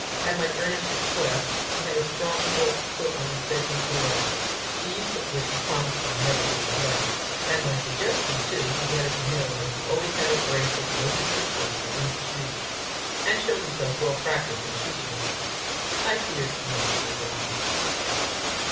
At my earnest request, he had a strong bolt put on his bedroom door, the use of which he promised me never to neglect. At my suggestion too, he let it be known that he had always a brace of loaded pistols within his reach, and showed himself well practiced in shooting with them. I feared much for John.